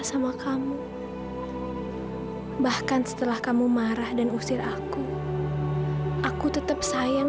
sampai jumpa di video selanjutnya